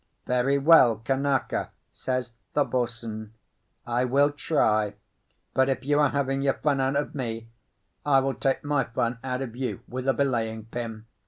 "Very well, Kanaka," says the boatswain. "I will try; but if you are having your fun out of me, I will take my fun out of you with a belaying pin."